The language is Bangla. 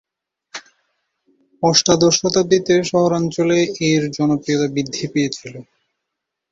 অষ্টাদশ শতাব্দীতে শহরাঞ্চলে এর জনপ্রিয়তা বৃদ্ধি পেয়েছিল।